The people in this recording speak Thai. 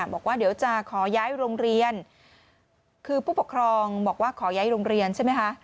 บอกว่าเดี๋ยวจะขอย้ายโรงเรียนคือผู้ปกครองบอกว่าขอย้ายโรงเรียนใช่ไหมคะ